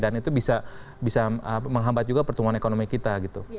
dan itu bisa menghambat juga pertumbuhan ekonomi kita gitu